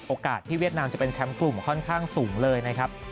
โอกาสที่เวียดนามจะเป็นแชมป์กลุ่มค่อนข้างสูงเลยนะครับ